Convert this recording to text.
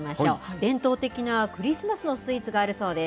伝統的なクリスマスのスイーツがあるそうです。